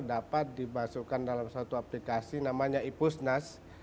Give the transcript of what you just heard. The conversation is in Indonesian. dapat dimasukkan dalam satu aplikasi namanya ipusnas